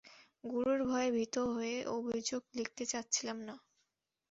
গুরুর ভয়ে ভীত হয়ে অভিযোগ লিখতে চাচ্ছিলাম না?